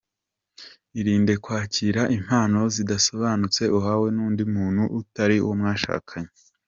Irinde kwakira impano zidasobanutse uhawe n’undi muntu utari uwo mwashakanye.